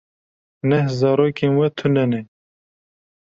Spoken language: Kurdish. Neh zarokên we tune ne.